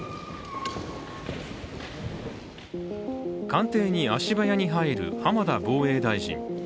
官邸に足早に入る浜田防衛大臣。